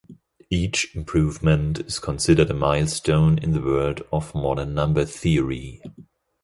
Each improvement is considered a milestone in the world of modern Number Theory.